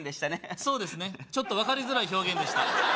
ちょっと分かりづらい表現でしたね